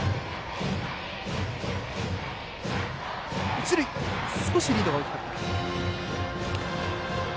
一塁、少しリードが大きかった。